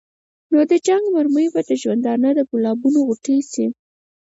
نو د جنګ مرمۍ به د ژوندانه د ګلابونو غوټۍ شي.